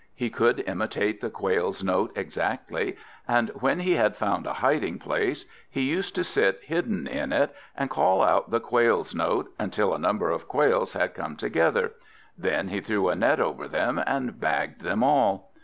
He could imitate the quail's note exactly; and when he had found a hiding place, he used to sit hidden in it, and call out the quail's note, until a number of quails had come together; then he threw a net over them, and bagged them all.